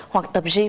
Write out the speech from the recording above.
hoặc tập gym